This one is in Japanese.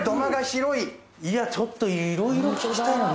いやちょっといろいろ聞きたい。